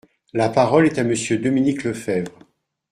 La parole est à Monsieur Dominique Lefebvre.